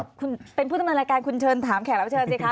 คุณเป็นผู้ตำรวจรายการคุณเชิญถามแขกแล้วเชิญเจอค่ะ